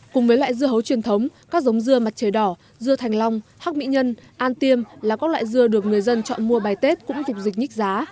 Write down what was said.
cùng với lại dưa hấu truyền thống các giống dưa mặt trời đỏ dưa thành long hóc mỹ nhân an tiêm là các loại dưa được người dân chọn mua bài tết cũng phục dịch nhích giá